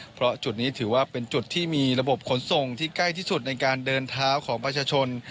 เพราะจุดนี้ถือว่าเป็นจุดที่มีระบบขนส่งที่ใกล้ที่สุดในการเดินเท้าของประชาชน